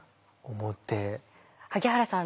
萩原さん